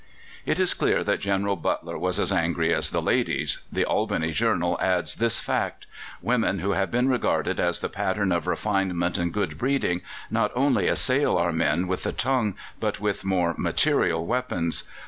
It is clear that General Butler was as angry as the ladies. The Albany Journal adds this fact: "Women who have been regarded as the pattern of refinement and good breeding not only assail our men with the tongue, but with more material weapons.